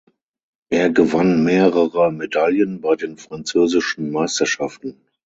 Er gewann mehrere Medaillen bei den Französischen Meisterschaften.